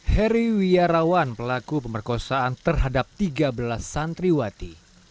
heri wirawan pelaku pemerkosaan terhadap tiga belas santriwati